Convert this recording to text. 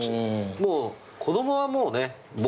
もう子供はもうね